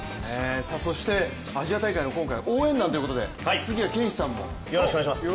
そして、アジア大会の今回、応援団ということで杉谷拳士さんも。